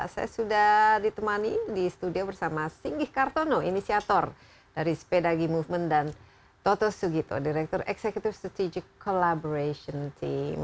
saya sudah ditemani di studio bersama singgih kartono inisiator dari spedagi movement dan toto sugito direktur eksekutif strategic collaboration team